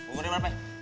berapa ini berapa ya